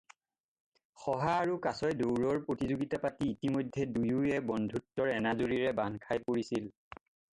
শহা আৰু কাছই দৌৰৰ প্ৰতিযোগিতা পাতি ইতিমধ্যে দুয়োয়ে বন্ধুত্বৰ এনাজৰীৰে বান্ধ খাই পৰিছিল।